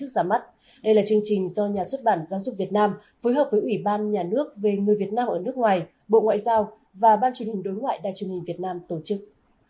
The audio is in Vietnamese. đây là chương trình do nhà xuất bản giáo dục việt nam phối hợp với ủy ban nhà nước về người việt nam ở nước ngoài bộ ngoại giao và ban truyền hình đối ngoại đài truyền hình việt nam tổ chức